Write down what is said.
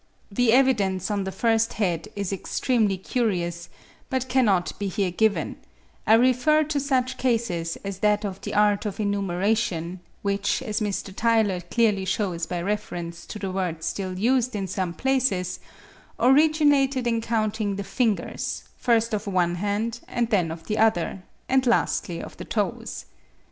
The evidence on the first head is extremely curious, but cannot be here given: I refer to such cases as that of the art of enumeration, which, as Mr. Tylor clearly shews by reference to the words still used in some places, originated in counting the fingers, first of one hand and then of the other, and lastly of the toes.